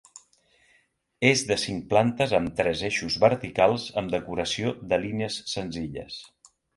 És de cinc plantes amb tres eixos verticals amb decoració de línies senzilles.